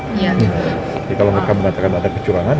jadi kalau mereka mengatakan ada kecurangan